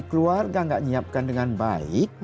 keluarga gak nyiapkan dengan baik